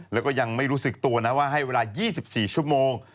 แล้วก็ยังไม่รู้สึกตัวนะว่าให้เวลา๒๔ชั่วโมง